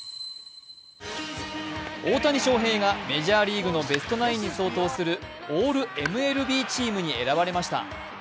大谷翔平がメジャーリーグのベストナインに相当するオールＭＬＢチームに選ばれました。